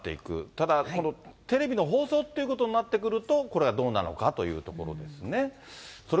ただ、このテレビの放送っていうことになってくると、これがどうなのかっていうところですね。